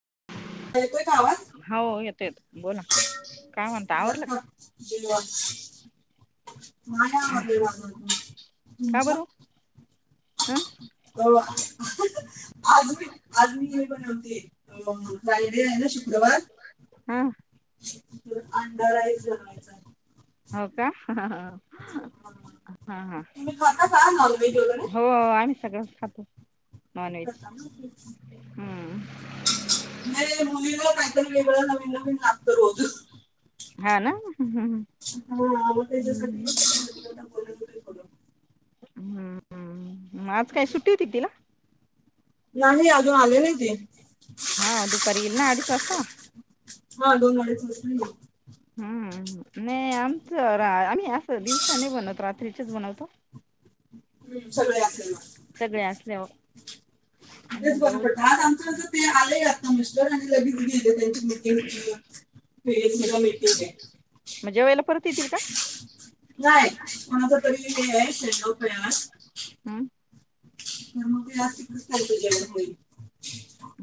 [unintelligible] वावा हो येतो येतो बोला काय म्हणता आवरलं का मायामधले वा का तुमच बरं ह आज आज मी हे बनवते. [unintelligible] फ्रायडे आहे ना शुक्रवार. ह अंडर आईज बनवायचा आहे. हो का हा हा हो आम्ही सगळंच खातो. नॉनव्हेज नाही मु हम्म वगळ काहीतरी वेगळं न [unintelligible] हा ना. हम्म हा आ त्याच्यासाठी [unintelligible] हम्म हम्. आज काय सुट्टी होती तिला. नाही अजून आले नाही ते. हा दुपारी इल ना अडीत वासता. [unintelligible] हम्म नाही आमच राळ आणि. अस दिवसा नाही बनत रात्री त्रिच बनवतो. हम्म सगळे असेल म. सगळे असल्यावर तेच बरं पडत आज आमचं जं ते आले ना मिस्टर आणि लगेच गेले त्यांची मिटिंगसध के एफ सी ला म्हणजे मिटिंग आहे. मग जेवायला परत येतील का? नाय कोणा तरी हे आहे [unintelligible] [unintelligible] हम्म [unintelligible] तिकडेच काय ते जेवण होईल.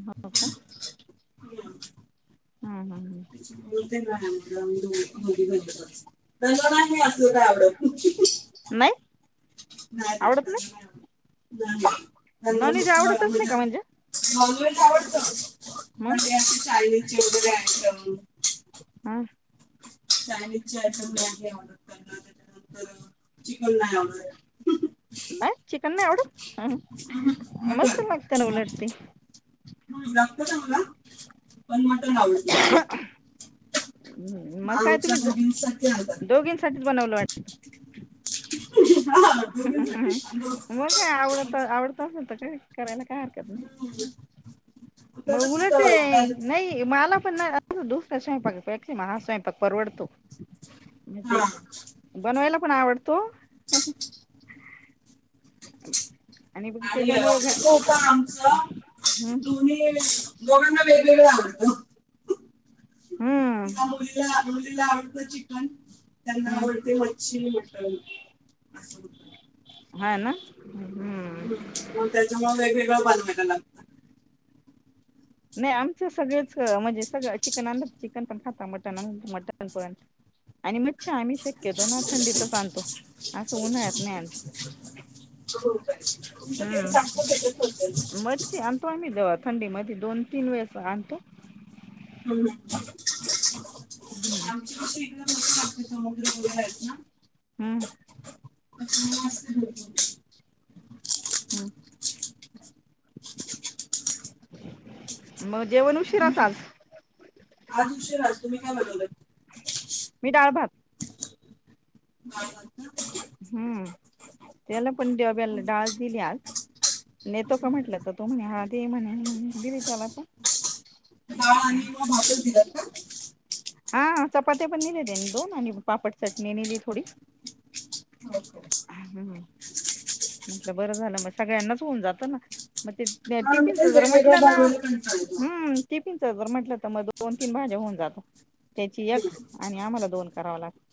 हो का. [unintelligible] हा हा. बोल. [unintelligible] तुला आवड [unintelligible] नाही नाही नाही अजिबात नाही. [unintelligible] नॉनव्हेज त्यांनात आवडतच नाही म्हणजे का नॉन वेज आवडतण मग ते अस चायनीज चे वगैरे आयटम हा [unintelligible] चायनीज चायच बरणी ऑर्डरलं त्याच्यानंतर चिकन नाही ऑर्डर [unintelligible] नाहीय चिकन नाही आवडत. हा मस्त लागतं ना उलट ते. तुला जमतं ना मला. पण मटण आवडत त्यांना. मग काय तुम्ही दर दोघींसाठीच बनवल वाट [inaudible] [unintelligible] मग काय आवडत आवडतच तर करायला काय काय हरकत नाही. मग उलट नाही माला पण दुसऱ्या स्वयंपाक पेक्षा हा स्वयंपाक परवडतो. म्ह ते बनवायला पण आवडतो. [inaudible] आणि त्याच्यामुळ हम्म होत आमचं दोन्ही दोघांना वेगवेगळं आवडत. हम्म त्या मुलीला मुलीला आवडत चिकन, त्यांना हम्म आवडते मच्छी, मटन! [inaudible] हा ना? हम्म ह मग त्याच्यामुळे वेगवेगळं बनवाय लागत. नाही आमचं सगळेच म्हणजे सगळं चिकन आणल चिकन पण खाता मटण, आणल मटन पण, आणि मच्छी आम्ही शक्यतो ना थंडीतच आणतो! असं उन्हाळ्यात नाही आणत. हो तुमच्या तेथे हम्म चांगलं भेटत असेल? थंडीमध्ये दोन तीन वेळेस आणतो. हम् आमची हम्म कशी इकडे राहतो समुद्र वगैरे आहेत, ना! हम्. असते ते पण. हम म तुम्ही आज उशीराच तुम्ही का बनवल मी डाळ भात हा हा हम्म. त्याला पण डब्याला डाळच दिली आज नेतो का? म्हटलं तर तो म्हणे हा ते म्हणे म्हणे दिली त्याला पण. डाळ आणि भातच दिलात? हा चपात्या पण न्हेल्या त्याने दोन आणि पापट चटणी नेली थोडी. म्हटलं बरं झालं मग सगळ्यांनाच होऊन जातं ना मग ते नाही टिफिनच जर म्हटलं ना हम्म टिफिन ते जर म्हंटलं तर मग दोन तीन भाज्या होऊन जातात त्याची एक आणि आम्हाला दोन करावं लागत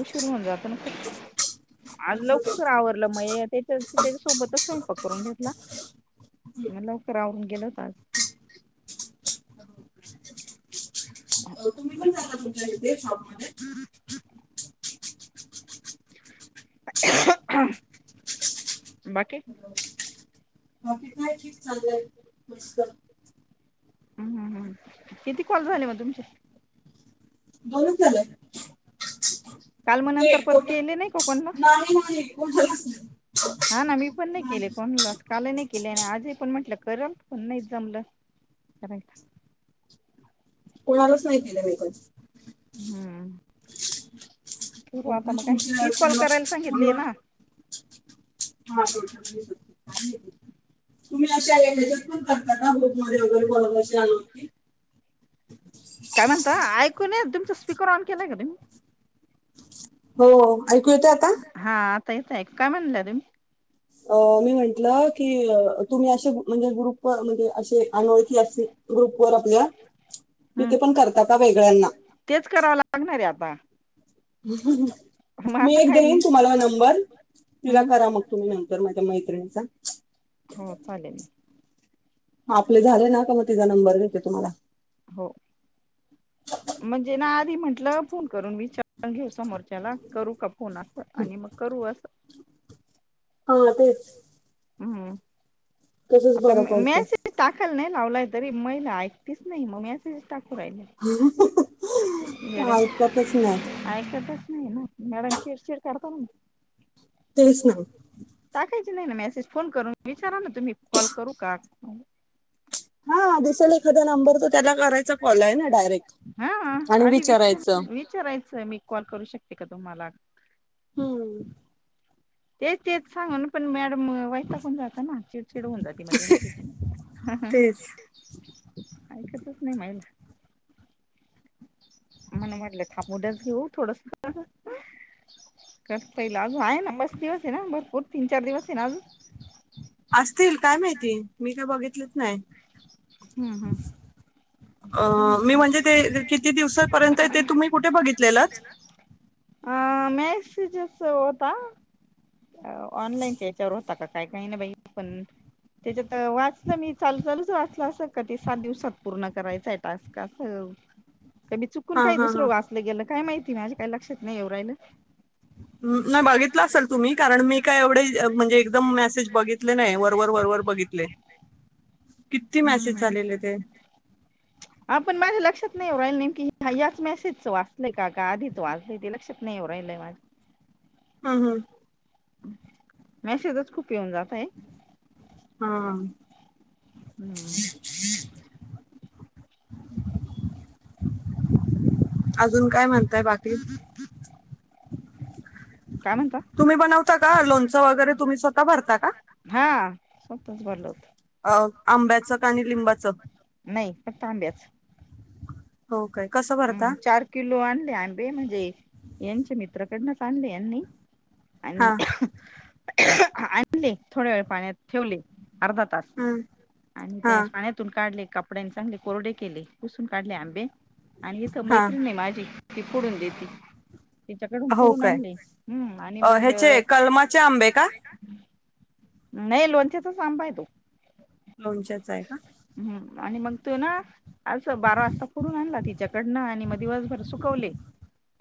उशीर होऊन जातो ना खूप आज लवकर आवर म्हटलं म ये त्याच्या त्याचासोबतच स्वयंपाक करून घेतला म लवकर आवरून गेलं होतं आज. [inaudible] तेच ना? बाकी? चालंय मस्त! हुं हुं हुं किती कॉल झाले मग तुमचे? काल म नंतर परत केले नाही? का कोणला [unintelligible] हा ना मी पण नाही केले, कोणालाच कालही नाही केले आणि आज ही पण म्हटलं करल पण नाही जमलं कराय. कोणालाच नाही केले मी पण हम. हो आता मग काय. तीस कॉल करायला सांगितले हे ना. [unintelligible] [unintelligible] काय म्हणता ऐकू नाय येत, तुमच स्पीकर ऑन केलाय का तुम्ही? हो ऐकू येतोय आता? ता येतय काय म्हणल्या तुम्ही, ओ मी म्हंटलं की तुम्ही असे म्हणजे ग्रुप वर म्हणजे असे अनोळखी असतील ग्रुप वर आपल्या. तर हम्म ते पण करता का वेगळ्यांन लागणारे आता. हुं मग मी आता एकदा काय येईन हम्म तुम्हाला नंबर तिला करा मग तुम्ही नंतर मैत्रिणीचा. हो चालेल. आपले झाले ना का मग तिचा नंबर देते तुम्हाला. हो म्हणजे ना आधी म्हटलं फोन करून, विचारून घेऊ समोरच्याला करू का फोन अस आणि मग करू असं हा तेच. हम्म. तसंच आता बरं मे पडतं मेसेज टाकायला नाही. नावलाय तरी महिला ऐकतीच नाही, मग मेसेज टाक [inaudible] येड्या ऐकतच नाय. ऐकतच नाही ना मॅडम चिडचिड करता तेच नाही टाकायची नाही ना मॅच्य फोन करून विचारा तुम्ही कॉल करू का [unintelligible] हा दिसेल एखादा नंबर तर त्याला करायचा कॉल आहे ना डायरेक्ट हा आणि आधी विचारायचं विचार विचारायचं मी कॉल करू शकते का? तुम्हाला हम्म! तेच तेच सांगून पण म्याट म वैताकून जातं ना चिडचिड होऊन जाते, मग त्यांचे ह ह. तेच ऐकतचं नाही, मायला मणं वाटलं हाफ नूडल्स थोडसं खा काशं पहिलं व्हां ना मस्ती बसे ना भरपूर तीन चार दिवस हे ना अजून असतील काय माहिती मी काय बघितलंच नाही. हम्म हम्म अ करू मी म्हटलं म्हणजे ते किती दिवसापर्यंत ते तुम्ही कुठे बघितलेलतं? अ मेसेजस होता, ऑनलाईनच्या याच्यावर होता का काय काही ना बाई पण त्याच्यातं वाचलं मी चालू चालूच वाच क्लास कधी सात दिवसात पूर्ण करायचंय टास्क असं काय मी चुकून हां, काही हां, दुसरं हां. वाचलं गेलं काय माहित? तिला बी काय लक्षात नाही येऊ राहिलं? नाही बघितले असलं तुम्ही, कारण मी काय एवढे म्हणजे एकदम मेसेज बघितले नाही? वरवर वरवर बघितले. किती मॅसेज हम्म झालेले ते? हा. पण माझ्या लक्षात नाही येवू राहिल की, न याच मेसेजच वाचलय का? का आधीच वाचलय ते, लक्षात नाही येउ राहिलय माझं. हम हम्. मॅसेजच खूप येऊन जात आहे. हा हा. हम्म. अजून काय म्हणं [unintelligible] काय म्हणता तुम्ही बनवता का लोणचं वगैरे? तुम्ही स्वतः भरता का? स्वताचं भरलं होतं. हो आंब्याच नाही फक्त आंब्याचं. हो. काय. कसं हम भरता? चार किलो आणले आंबे म्हणजे यांचे मित्र त्राकडनच आणले यांनी हां. आणि [unintelligible] आणले थोड्या वेळ पाण्यात ठेवले. अर्धा तास हं. आणि ते हां, पाण्यातून काढले. कपड्यांनी चांगले कोरडे केले पुसून काढले आंबे. आणि इथं हां. मैत्रिणे माझी. ती फोडून देेती. तिच्याकडून हो फोडून काय. आणले हम्म आणि अ, मग ह्याचे कलमाचे आंबे का? नाही लोणच्याचाच आंबाय तो. लोणच्याच आहे का? हम्म आणि मग तो ना अस बारा वाजता फोडून आणला तिन तीच्याकडनं आणि मग दिवसभर सुकवले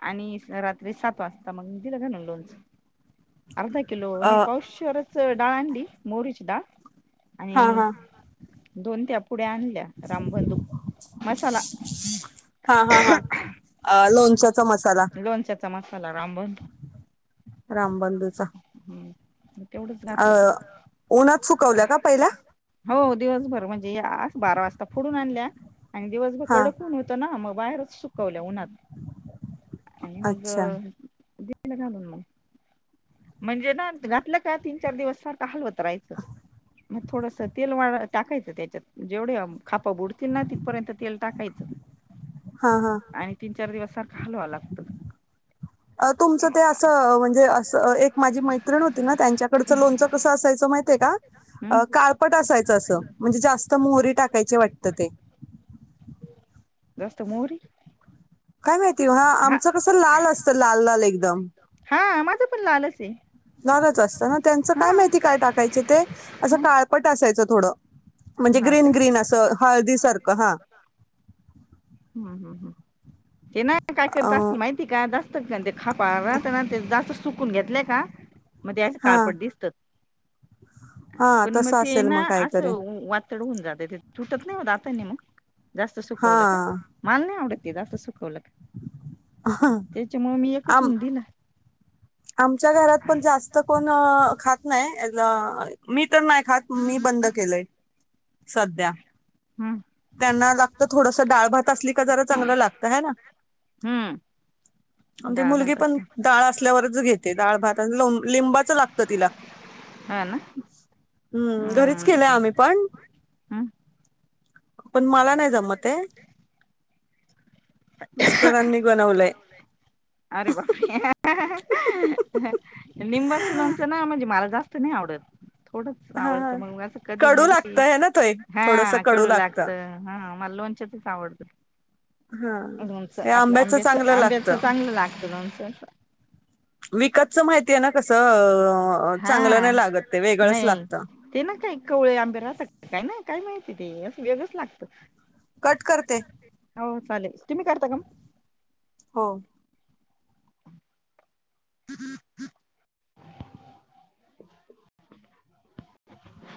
आणि रात्री सात वाजता मग दिलं घालूण लोणच. अर्ध किलो अ, नही पावशेरच [inaudible] दाळ आणि मोहरीची दाळ हां, आणि हां. दोन त्या पुड्या आणल्या रामबंधू मसाला हा हा हा. अ लोणच्याचा मसाला लोनच्या समाज. साला रामबंधू तेवढंच. घातलं अं उन्हात सुुकवल्या का पहिल्या आस बारा वाजता फोडूनन आणल्या. आणि दिवसभर हा कड उन होतं ना मग बाहेरच सुकवल्या उन्हात आणि मग अच्छा दिल घालून म म्हणजे ना घातलं का तीन चार दिवस सारखा हलवत रायच मग थोडस तेल वाड टाकायचं त्याच्यात जेवढे खापा बुड तिना तिथपर्यंत तेल टाकायचं हा हा आणि तीन चार दिवस सारख अ तुमचं ते असं म्हणजे अस एक माझी मैत्रिण होती ना त्यांच्याकडं लोनचं कसं असायचं माहितेय का? हम्म अ काळपट असायचं असं म्हणजे जास्त मोहरी टाकायची वाटत ते. जास्त मोरी काय माहिती हा आमचं कसं लाल असतं लाल लाल एकदम. हा माझं पण लालच आहे. नरच असत ना त्यांचं काय हा माहिती काय टाकायचे ते असं काळपट असायचं. तोड म्हणजे हा ग्रीन का ग्रीन असं हळदी सारखं हा. हम्म हम्म हम्म ते ना काय करत अस अ माहिती का जास्त ते खापह ते जास्त सुख चुकून घेतले का? मग ते असं हा काळपट दिसत. हा तसं असेल मग काहीतरी. असं वातड होऊन जातय ते तुटत नाही ओ दातानी मग. जास्त हा सुकवलं का माल नाही आवडत. ते जा असं सुखवलं त्याच्या म मी एकच आम हऊन दिला. आमच्या घरात पण जास्त कोण खात नाही अ मी तर नाय खात मी बंद केलंय. सध्या हम्म त्यांना लाग तर थोडस डाळ भात असली का जरा चांगलं लागत ह ना हम्म आणि ते डाळ मुलगी भात पण असला डाळ असल्यावरच घेते डाळ भात ल लिंबाच लागत तिला हा ना हम् घरीच हम्म केलंय आम्ही पण हम्म पण मला नाही जामते बनवलंय अरे बापरे लिंबाचं लोणचं ना म्हणजे मला जास् नाही आवडत. थोडंच हा आवडत मग असं कधी कडू मधी लागतं है ना ते थोडस हा कडू लागतं हा मला लोणच्यातच आवडत. हा लोणच हे आपल्या आंब्याचं चांगलं आंब्याचं लागतं. चांगलं लागतं लोण तस विकतचं माहितीय ना कसं अ, हा चांगलं नाही लागत ते वेगळंच नाही लागतं. ते ना काही कवळे आंबे राहतात काही ना काय माहिती वेगच लागतं. कट करते. हो चालेल. तुम्ही करता काम? हो. [inaudible]